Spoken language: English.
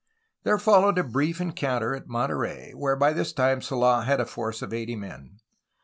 There followed a brief encounter at Monterey, where by this time Sold had a force of eighty men.